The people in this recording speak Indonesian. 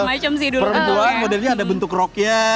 perbuahan modernnya ada bentuk rognya